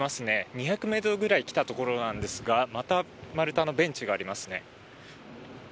２００ｍぐらい来たところですがまた丸太のベンチがありますね。